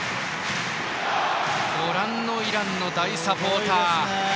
ご覧のイランの大サポーター。